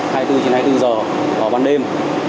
hai mươi bốn h hai mươi bốn h có ban đêm